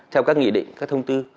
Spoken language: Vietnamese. theo các nghị định các thông tư